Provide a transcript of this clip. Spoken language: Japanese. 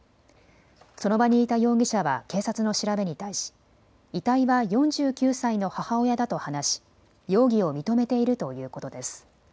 その場にいた容疑者は警察の調べに対し遺体は４９歳の母親だと話し容疑を認めているということです。